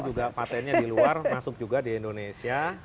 juga patentnya di luar masuk juga di indonesia